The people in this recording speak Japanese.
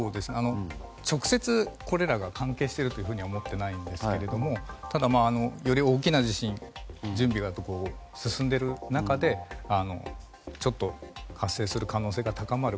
直接これらが関係しているとは思っていないんですがただ、より大きな地震へ準備が進んでいる中でちょっと、発生する可能性が高まる